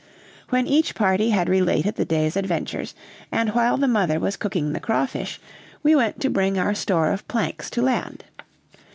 When each party had related the day's adventures, and while the mother was cooking the crawfish, we went to bring our store of planks to land.